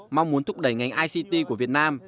mong muốn thúc đẩy ngành ict của việt nam